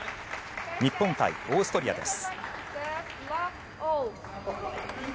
日本対オーストリアです。